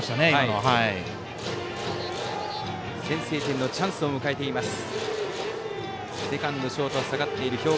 先制点のチャンスを迎えています。